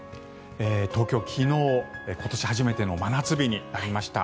東京、昨日、今年初めての真夏日になりました。